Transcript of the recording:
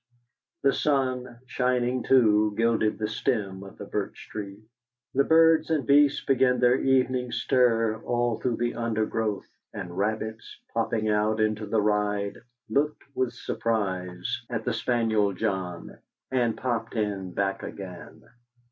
The sun, shining too, gilded the stem of the birch tree. The birds and beasts began their evening stir all through the undergrowth, and rabbits, popping out into the ride, looked with surprise at the spaniel John, and popped in back again.